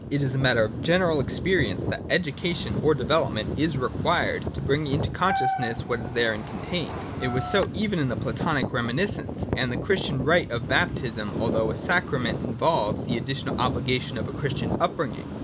It is a matter of general experience that education or development is required to bring out into consciousness what is therein contained. It was so even with the Platonic reminiscence ; and the Christian rite of baptism, although a sacrament, involves the additional obligation of a Christian up bringing.